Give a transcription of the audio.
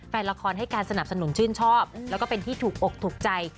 แฟนละครให้การสนับสนุนชื่นชอบแล้วก็เป็นที่ถูกอกถูกใจ